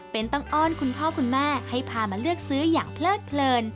เป็นต้องอ้อนคุณพ่อคุณแม่ให้พามาเลือกซื้ออย่างเพลิดเพลิน